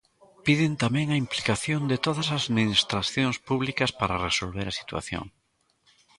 Piden tamén a implicación de todas as administracións públicas para resolver a situación.